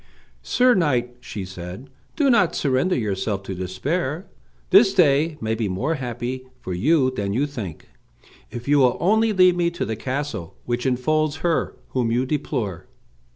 "Sir Knight," she said, "do not surrender yourself to despair; this day may be more happy for you than you think, if you will only lead me to the castle which enfolds her whom you deplore."